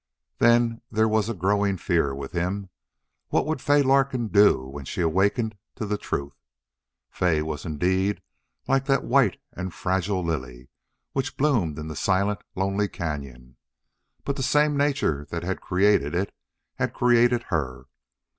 Then there was a growing fear with him. What would Fay Larkin do when she awakened to the truth? Fay was indeed like that white and fragile lily which bloomed in the silent, lonely cañon, but the same nature that had created it had created her.